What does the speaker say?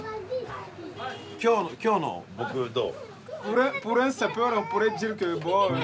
今日の僕どう？